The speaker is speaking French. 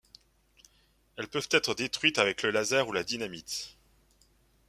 Elles peuvent être détruites avec le laser ou la dynamite.